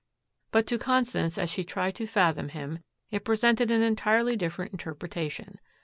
But to Constance, as she tried to fathom him, it presented an entirely different interpretation.